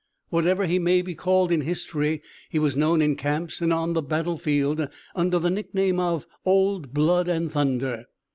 Whatever he may be called in history, he was known in camps and on the battle field under the nickname of Old Blood and Thunder.